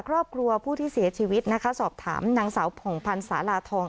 ครอบครัวผู้ที่เสียชีวิตนะคะสอบถามนางสาวผ่องพันธ์สาลาทอง